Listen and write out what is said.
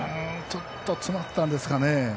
ちょっと詰まったんですかね。